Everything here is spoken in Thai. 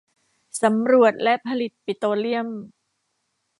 สำรวจและผลิตปิโตรเลียม